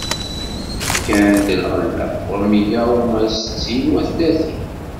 Fkan-d lɣella: wa meyya, wa settin, wa tlatin.